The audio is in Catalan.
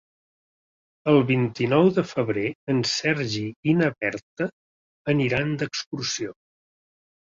El vint-i-nou de febrer en Sergi i na Berta aniran d'excursió.